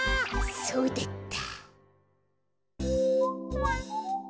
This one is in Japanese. そうだった。